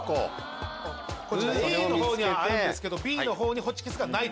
Ａの方にはあるんですけどＢの方にホチキスがない。